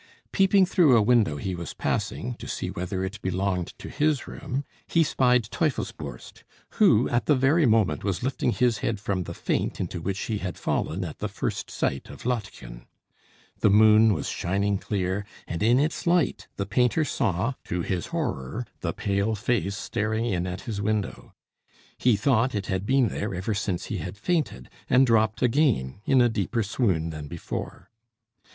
Peeping through a window he was passing, to see whether it belonged to his room, he spied Teufelsbürst, who, at the very moment, was lifting his head from the faint into which he had fallen at the first sight of Lottchen. The moon was shining clear, and in its light the painter saw, to his horror, the pale face staring in at his window. He thought it had been there ever since he had fainted, and dropped again in a deeper swoon than before.